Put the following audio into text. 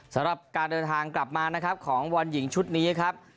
สำหรับการเดินทางกลับมาของวันหญิงชุดนี้ครับ